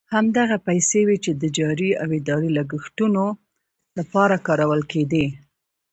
همدغه پیسې وې چې د جاري او اداري لګښتونو لپاره کارول کېدې.